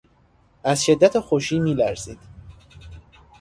از شدت خوشی میلرزید.